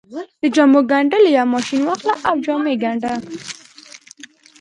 د جامو ګنډلو يو ماشين واخله او جامې ګنډه.